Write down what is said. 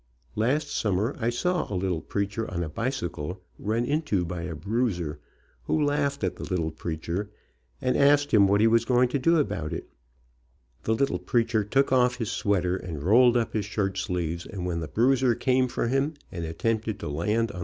Last summer I saw a little preacher on a bicycle run into by a bruiser, who laughed at the little preacher and asked him what he was going to do about it. The little preacher took off his sweater and rolled up his shirt sleeves and when the bruiser came for him and attempted to land on the Gave him one under the ear.